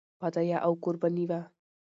فدیه او قرباني وه.